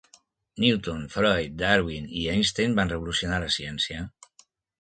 Newton, Freud, Darwin i Einstein van revolucionar la ciència.